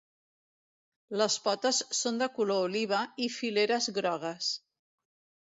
Les potes són de color oliva i fileres grogues.